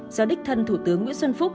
do đích thân thủ tướng nguyễn xuân phúc